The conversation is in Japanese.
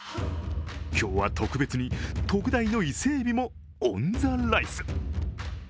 今日は特別に、特大の伊勢えびもオン・ザ・ライス。